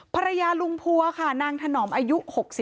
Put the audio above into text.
ภรรยาลุงพัวค่ะนางถนอมอายุ๖๒